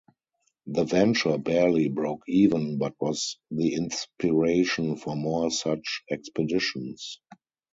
The venture barely broke even, but was the inspiration for more such expeditions.